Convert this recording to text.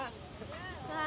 ああ！